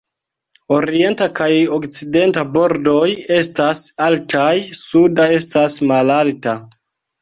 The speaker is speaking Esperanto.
Orienta kaj okcidenta bordoj estas altaj, suda estas malalta.